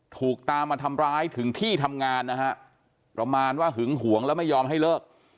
ถูกตามมาทำร้ายถึงที่ทำงานนะฮะประมาณว่าหึงหวงแล้วไม่ยอมให้เลิก